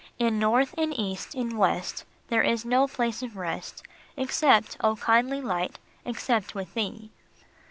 In North, in East, in West, There is no place of rest, Except, O kindly Light, except with thee.